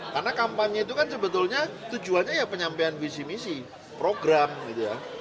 karena kampanye itu kan sebetulnya tujuannya ya penyampaian visi misi program gitu ya